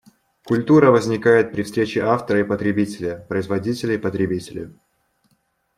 Культура возникает при встрече автора и потребителя, производителя и потребителя.